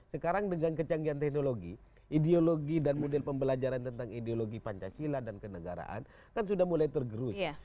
sekarang dengan kecanggihan teknologi ideologi dan model pembelajaran tentang ideologi pancasila dan kenegaraan kan sudah mulai tergerus